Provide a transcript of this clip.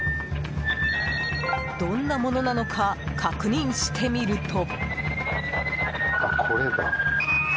どんなものなのか確認してみると。